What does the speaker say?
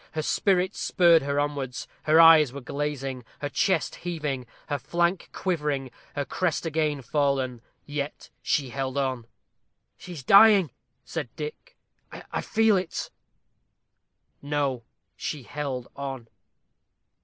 Her spirit spurred her onwards. Her eye was glazing; her chest heaving; her flank quivering; her crest again fallen. Yet she held on. "She is dying!" said Dick. "I feel it " No, she held on.